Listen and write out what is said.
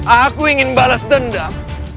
aku ingin balas dendam